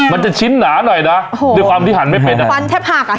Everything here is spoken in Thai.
มันจะชิ้นหนาหน่อยนะโอ้โหด้วยความที่หันไม่เป็นอ่ะฟันแทบหักอ่ะ